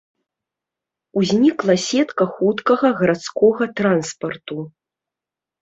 Узнікла сетка хуткага гарадскога транспарту.